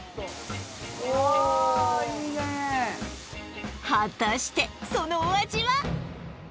いいね果たしてそのお味は？